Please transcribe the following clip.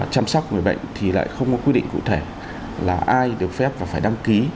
chăm sóc người bệnh thì lại không có quy định cụ thể là ai được phép và phải đăng ký